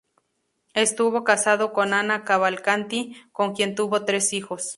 Estuvo casado con Ana Cavalcanti con quien tuvo tres hijos.